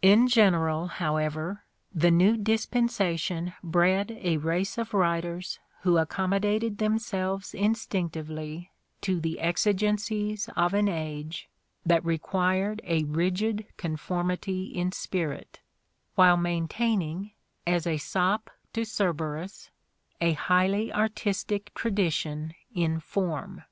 In general, however, the new dis pensation bred a race of writers who accommodated themselves instinctively to the exigencies of an age that required a rigid conformity in spirit, while maintaining, as a sop to Cerberus, a highly artistic tradition in form.